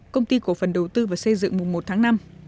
công ty cổ phần đầu tư và xây dựng mùa một tháng năm